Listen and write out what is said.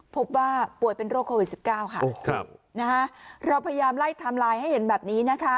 พบว่าป่วยเป็นโรคโควิด๑๙ค่ะนะฮะเราพยายามไล่ไทม์ไลน์ให้เห็นแบบนี้นะคะ